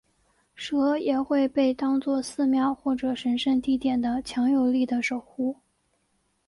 蛇也会被当做寺庙或者神圣地点的强有力的守护。